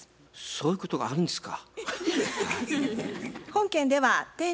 そういうことがあるんですか。